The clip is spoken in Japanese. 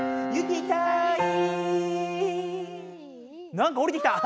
なんかおりてきた。